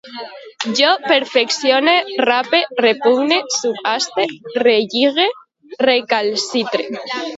Jo perfeccione, rape, repugne, subhaste, relligue, recalcitre